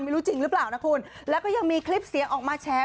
จริงหรือเปล่านะคุณแล้วก็ยังมีคลิปเสียงออกมาแชร์